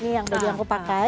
ini yang tadi aku pakai